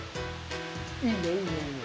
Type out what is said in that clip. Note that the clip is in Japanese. いいねいいねいいね。